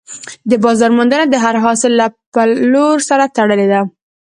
د بازار موندنه د هر حاصل له پلور سره تړلې ده.